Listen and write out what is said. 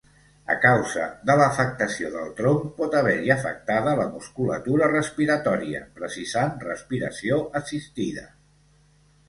A causa de l'afectació del tronc pot haver-hi afectada la musculatura respiratòria, precisant respiració assistida.